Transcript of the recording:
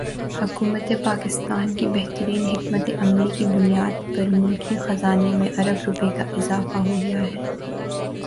حکومت پاکستان کی بہترین حکمت عملی کی بنیاد پر ملکی خزانے میں ارب روپے کا اضافہ ہوگیا ہے